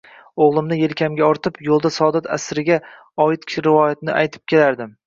Oʻgʻlimni yelkamga ortib, yoʻlda Saodat asriga oid rivoyatlarni aytib kelardim